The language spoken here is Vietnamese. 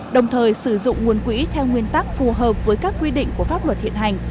đồng thời sử dụng nguồn quỹ theo nguyên tắc phù hợp với các quy định của pháp luật hiện hành